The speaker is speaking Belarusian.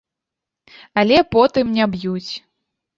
Але потым не б'юць.